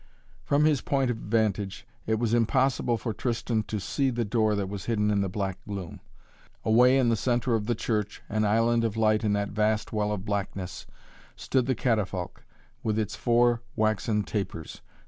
From his point of vantage it was impossible for Tristan to see the door that was hidden in the black gloom. Away in the centre of the church, an island of light in that vast well of blackness, stood the catafalque with its four waxen tapers.